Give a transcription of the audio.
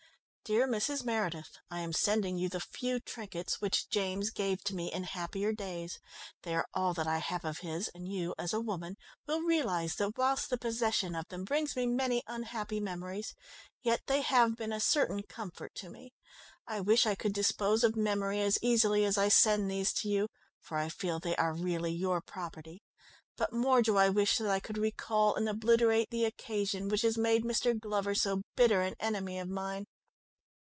"_Dear Mrs. Meredith. I am sending you the few trinkets which James gave to me in happier days. They are all that I have of his, and you, as a woman, will realise that whilst the possession of them brings me many unhappy memories, yet they have been a certain comfort to me. I wish I could dispose of memory as easily as I send these to you (for I feel they are really your property) but more do I wish that I could recall and obliterate the occasion which has made Mr. Glover so bitter an enemy of mine.